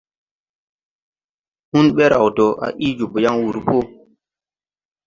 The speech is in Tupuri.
Hun ɓɛ raw do, a ii jobo yaŋ wur p.